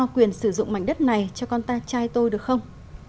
quyền sử dụng mảnh đất này cho con ta trai tôi được không